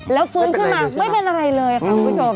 แล้วฟื้นขึ้นมาไม่เป็นอะไรเลยค่ะคุณผู้ชม